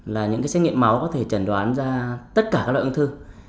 là những cái xét nghiệm máu có thể trần đoán ra tất cả các loại ung thư